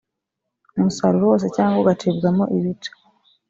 umusaruro wose cyangwa ugacibwamo ibice